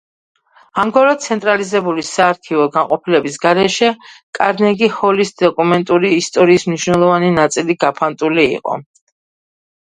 ამგვარად ცენტრალიზებული საარქივო განყოფილების გარეშე კარნეგი-ჰოლის დოკუმენტური ისტორიის მნიშვნელოვანი ნაწილი გაფანტული იყო.